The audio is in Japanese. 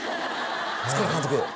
塚原監督